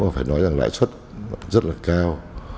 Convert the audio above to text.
phải nói rằng lãi suất rất là cao